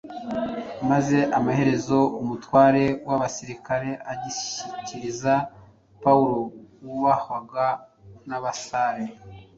maze amaherezo umutware w’abasirikare agishyikiriza Pawulo wubahwaga n’abasare